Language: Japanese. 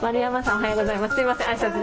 おはようございます。